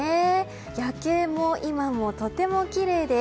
夜景も今とてもきれいです。